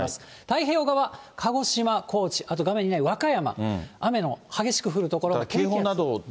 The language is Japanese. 太平洋側、鹿児島、高知、あと画面にない和歌山、雨の激しく降る所が。